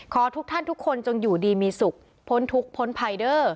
ทุกท่านทุกคนจงอยู่ดีมีสุขพ้นทุกข์พ้นภัยเด้อ